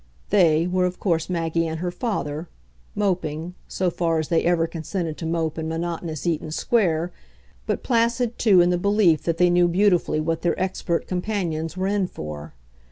"They" were of course Maggie and her father, moping so far as they ever consented to mope in monotonous Eaton Square, but placid too in the belief that they knew beautifully what their expert companions were in for.